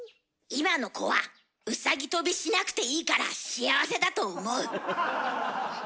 今の子はうさぎ跳びしなくていいから幸せだと思う。